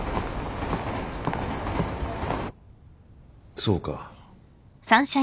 そうか。